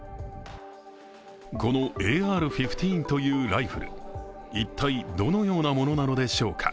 このＡＲ−１５というライフル一体どのようなものなのでしょうか。